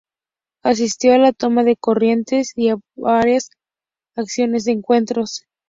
Asistió a la toma de Corrientes y a varias acciones de encuentros.